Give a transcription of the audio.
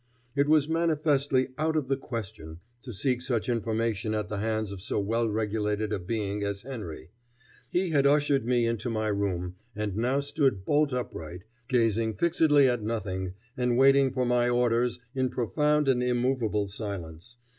It was manifestly out of the question to seek such information at the hands of so well regulated a being as Henry. He had ushered me into my room and now stood bolt upright, gazing fixedly at nothing and waiting for my orders in profound and immovable silence.